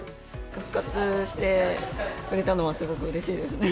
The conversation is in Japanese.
復活してくれたのはすごくうれしいですね。